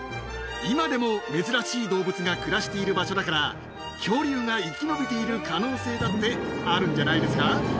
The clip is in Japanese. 今でも珍しい動物が暮らしている場所だから、恐竜が生き延びている可能性だってあるんじゃないですか。